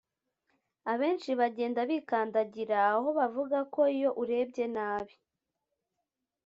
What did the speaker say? abenshi bagenda bikandagira aho bavuga ko iyo urebye nabi